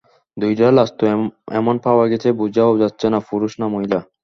দুইটা লাশ তো এমন পাওয়া গেছে, বোঝাও যাচ্ছে না পুরুষ না মহিলা।